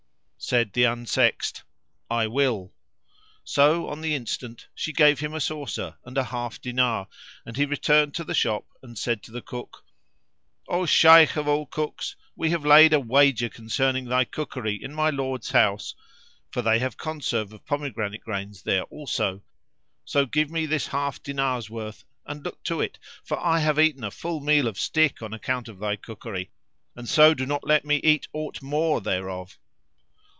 Said the unsexed, "I will." So on the instant she gave him a saucer and a half dinar and he returned to the shop and said to the cook, "O Shaykh of all Cooks, [FN#474] we have laid a wager concerning thy cookery in my lord's house, for they have conserve of pomegranate grains there also; so give me this half dinar's worth and look to it; for I have eaten a full meal of stick on account of thy cookery, and so do not let me eat aught more thereof."